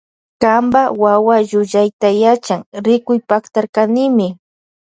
Kanpa wawa llullayta yachan rikuypaktarkanimi.